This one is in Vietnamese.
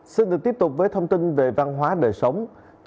xin được tiếp tục với thông tin về văn hóa đời sống